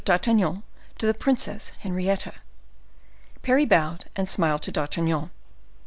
d'Artagnan to the Princess Henrietta." Parry bowed and smiled to D'Artagnan.